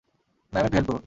Ma'am, একটু help করুন।